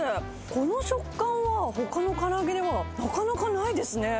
この食感は、ほかのから揚げにはなかなかないですね。